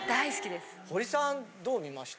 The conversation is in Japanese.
堀さんどう見ました？